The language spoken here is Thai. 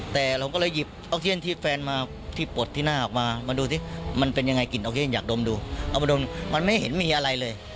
แต่เราก็เลยหยิบออกเทียนที่แฟนมาที่ปลดที่หน้าออกมามาดูสิมันเป็นยังไงกลิ่นอาเซียนอยากดมดูเอาไปดมมันไม่เห็นมีอะไรเลย